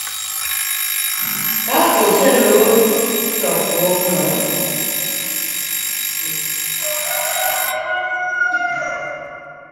Ka osendik weche duto maber, iorogi ne ng'at matayo chokruogno mondo oyie kodgi